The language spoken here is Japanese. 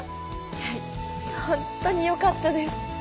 はいホントによかったです。